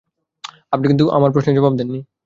আপনি কিন্তু আমার প্রশ্নের জবাব দেন নি।